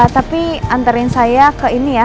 tapi antarin saya ke ini ya